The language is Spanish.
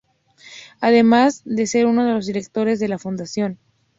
Además de ser uno de los directores de la Fundación.